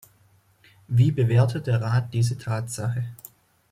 Wie bewertet der Rat diese Tatsache?